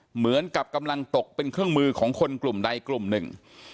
เหมือนกับกำลังตกเป็นเครื่องมือของคนกลุ่มใดกลุ่มหนึ่ง